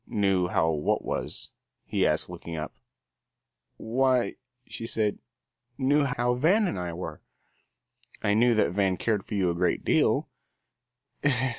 "Knew how what was?" he asked, looking up. "Why," she said, "knew how Van and I were." "I knew that Van cared for you a great deal."